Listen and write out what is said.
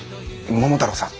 桃太郎さん？